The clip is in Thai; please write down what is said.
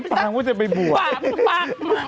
ผ่านแล้วพี่หนุ๊กผ่าน